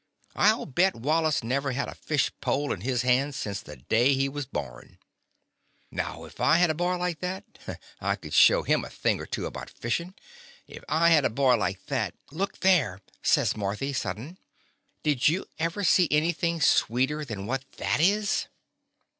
I '11 bet Wallace never had a fish pole in his hands since the day he was born, Now, if I had a boy like that I could show him a thing or two about fishing If I had a boy like that —" "Look there!" says Marthy, sud den. "Did you ever see anything sweeter than what that is?"